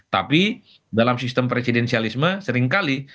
tapi dalam sistem presidensialisme seringkali